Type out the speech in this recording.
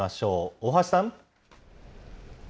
大橋さん。